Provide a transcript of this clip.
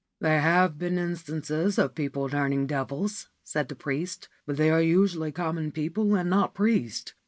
4 There have been instances of people turning devils/ said the priest ; c but they are usually common people and not priests.